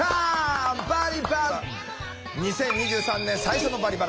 ２０２３年最初の「バリバラ」。